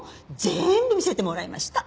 全部見せてもらいました。